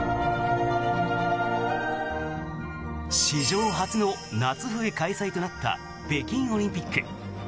史上初の夏冬開催となった北京オリンピック。